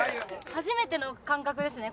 初めての感覚ですね。